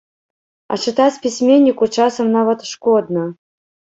А чытаць пісьменніку часам нават шкодна.